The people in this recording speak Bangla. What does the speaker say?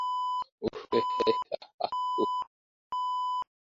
উহ, এহ, এহ, এহ, উহ।